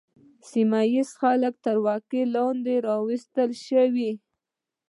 سیمه ییز خلک تر واک لاندې راوستل شول.